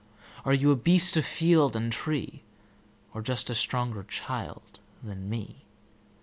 Are you a beast of field and tree, Or just a stronger child than me?